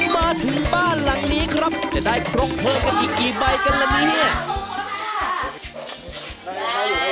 มาถึงบ้านหลังนี้ครับจะได้ครบเพิ่มกันอีกกี่ใบกันละเนี่ย